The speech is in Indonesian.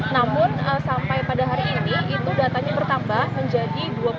namun sampai pada hari ini itu datanya bertambah menjadi dua puluh enam